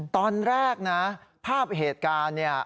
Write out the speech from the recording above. ตอนแรกนะภาพเหตุการณ์เนี่ย